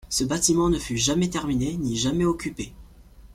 Ce bâtiment ne fut jamais terminé ni jamais occupé.